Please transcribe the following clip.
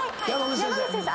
山口先生。